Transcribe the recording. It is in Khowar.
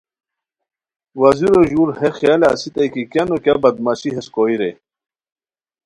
وزیرو ژور ہے خیالہ اسیتائے کی کیا نو کیہ بدمعاشی ہیس کوئے رے